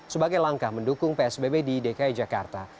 sebagai langkah mendukung psbb di dki jakarta